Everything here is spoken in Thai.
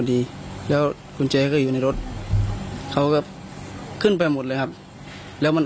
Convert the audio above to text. ดีแล้วกุญแจก็อยู่ในรถเขาก็ขึ้นไปหมดเลยครับแล้วมัน